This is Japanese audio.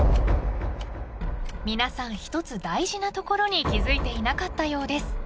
［皆さん一つ大事なところに気付いていなかったようです］